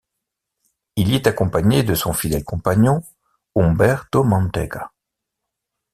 Il y est accompagné de son fidèle compagnon, Umberto Manteca.